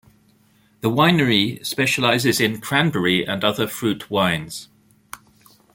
The winery specializes in cranberry and other fruit wines.